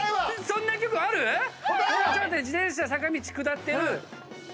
そんな曲ある⁉自転車坂道下ってる。